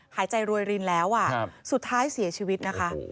หายใจรวยรินแล้วสุดท้ายเสียชีวิตนะคะ